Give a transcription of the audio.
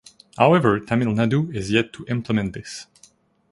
However Tamil Nadu is yet to implement this.